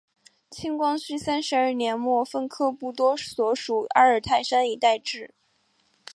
清光绪三十二年末分科布多所属阿尔泰山一带置。